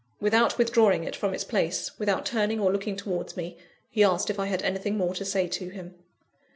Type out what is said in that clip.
Without withdrawing it from its place, without turning or looking towards me, he asked if I had anything more to say to him.